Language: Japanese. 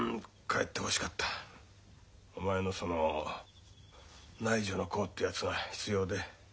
お前のその内助の功ってやつが必要で。